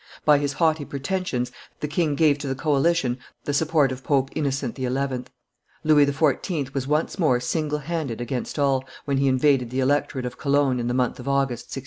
By his haughty pretensions the king gave to the coalition the support of Pope Innocent XI.; Louis XIV. was once more single handed against all, when he invaded the electorate of Cologne in the month of August, 1686.